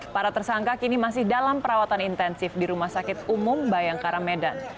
para tersangka kini masih dalam perawatan intensif di rumah sakit umum bayangkara medan